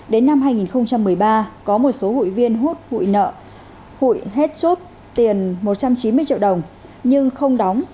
đến năm hai nghìn một mươi ba có một số hụi viên hốt hụi nợ hụi hết chốt tiền một trăm chín mươi triệu đồng nhưng không đóng